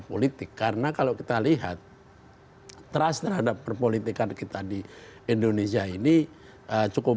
politik karena kalau kita lihat trust terhadap perpolitikan kita di indonesia ini cukup